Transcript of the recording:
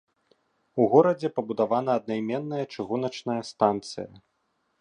У горадзе пабудавана аднайменная чыгуначная станцыя.